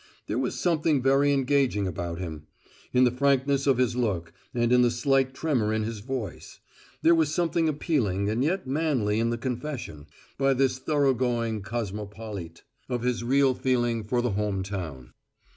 There was something very engaging about him: in the frankness of his look and in the slight tremor in his voice; there was something appealing and yet manly in the confession, by this thoroughgoing cosmopolite, of his real feeling for the home town.